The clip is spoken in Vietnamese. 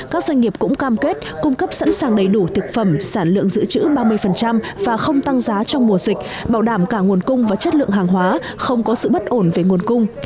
các doanh nghiệp cũng cam kết cung cấp sẵn sàng đầy đủ thực phẩm sản lượng giữ chữ ba mươi và không tăng giá trong mùa dịch bảo đảm cả nguồn cung và chất lượng hàng hóa không có sự bất ổn về nguồn cung